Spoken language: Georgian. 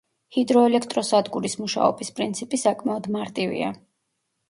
ჰიდროელექტროსადგურის მუშაობის პრინციპი საკმაოდ მარტივია.